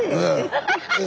ええ。